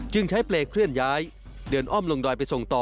ใช้เปรย์เคลื่อนย้ายเดินอ้อมลงดอยไปส่งต่อ